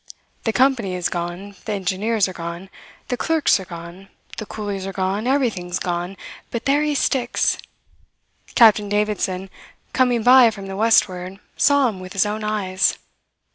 The company is gone, the engineers are gone, the clerks are gone, the coolies are gone, everything's gone; but there he sticks. Captain Davidson, coming by from the westward, saw him with his own eyes.